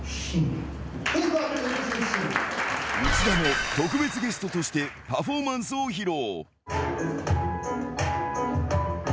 内田も特別ゲストとしてパフォーマンスを披露。